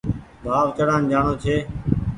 ڀآو چڙآن جآڻو ڇي